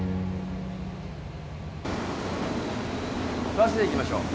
バスで行きましょう。